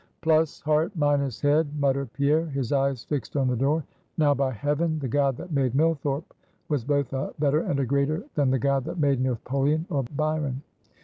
"Plus heart, minus head," muttered Pierre, his eyes fixed on the door. "Now, by heaven! the god that made Millthorpe was both a better and a greater than the god that made Napoleon or Byron.